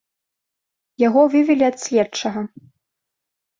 Яго вывелі ад следчага.